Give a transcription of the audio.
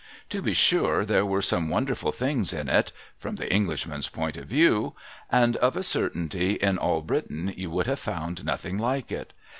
To be sure there were some wonderful things in it (from the Englishman's point of view), and of a certainty in all Britain you would have found nothing like it.